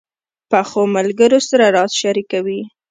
پخو ملګرو سره راز شریکېږي